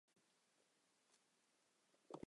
弗拉迪什镇是葡萄牙贝雅区的一个堂区。